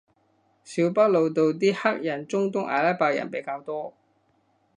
小北路度啲黑人中東阿拉伯人比較多